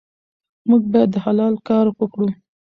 موږ باید حلال کار وکړو.